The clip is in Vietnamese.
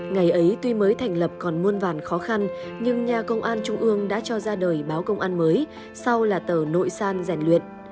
ngày ấy tuy mới thành lập còn muôn vàn khó khăn nhưng nhà công an trung ương đã cho ra đời báo công an mới sau là tờ nội san rèn luyện